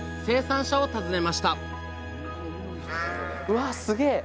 わすげえ！